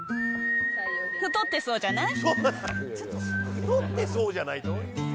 太ってそうじゃない？